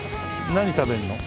何食べるの？